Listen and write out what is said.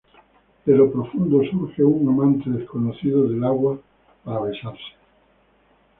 De lo profundo, surge un amante desconocido del agua, para besarse.